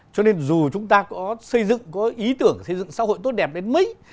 cho nên dù chúng ta có xây dựng có ý tưởng xây dựng xã hội tốt đẹp đến mấy